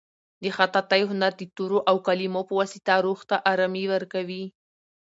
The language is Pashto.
د خطاطۍ هنر د تورو او کلیمو په واسطه روح ته ارامي ورکوي.